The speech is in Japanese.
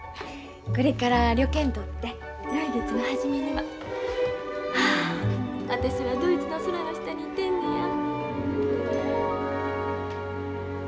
これから旅券取って来月の初めにはああ私はドイツの空の下にいてるのや。